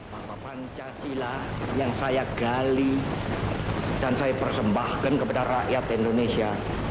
bahwa pancasila yang saya gali dan saya persembahkan kepada rakyat indonesia